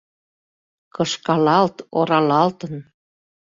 Кышкалалт, оралалтын